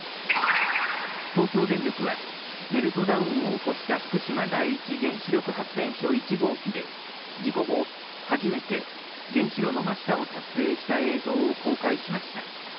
東京電力はメルトダウンを起こした福島第一原子力発電所１号機で事故後、初めて原子炉の真下を撮影した映像を公開しました。